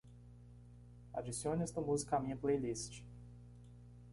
Adicione esta música à minha playlist.